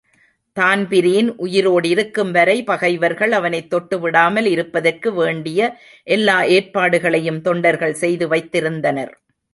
Dan Breen உயிரேடிருக்கும் வரை பகைவர்கள் அவனைத் தொட்டுவிடாமல் இருப்பதற்கு வேண்டிய எல்லா ஏற்பாடுகளையும் தொண்டர்கள் செய்து வைத்திருந்தனர்.